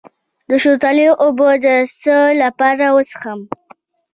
د شوتلې اوبه د څه لپاره وڅښم؟